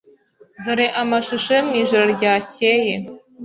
Dore amashusho yo mwijoro ryakeye.